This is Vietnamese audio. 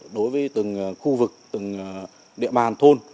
đối với từng khu vực từng địa bàn thôn